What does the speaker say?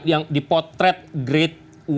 kapan yang dipotret great once again itu